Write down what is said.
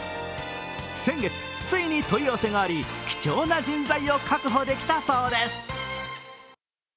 先月、ついに問い合わせがあり貴重な人材を確保できたそうです。